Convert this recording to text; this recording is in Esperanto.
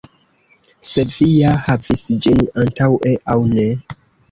Se vi ja havis ĝin antaŭe aŭ ne.